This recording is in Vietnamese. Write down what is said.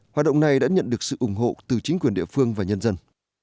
hoạt động này đã nhận được sự ủng hộ từ chính quyền địa phương và nhân dân